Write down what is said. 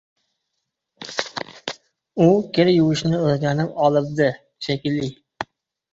U kir yuvishni oʻrganib olibdi, shekilli.